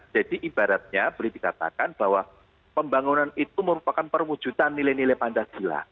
jadi ibaratnya boleh dikatakan bahwa pembangunan itu merupakan permujutan nilai nilai pancasila